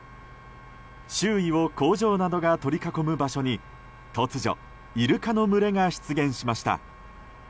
周囲を工場などが取り囲む場所に突如、イルカの群れが出現しました。